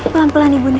pelan pelan ibu nia